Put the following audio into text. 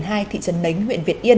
thị trấn nánh huyện việt yên